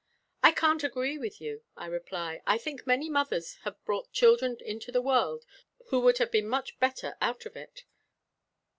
'I can't agree with you,' I reply 'I think many mothers have brought children into the world who would have been much better out of it.